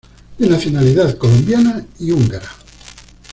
De nacionalidad colombiana y húngara.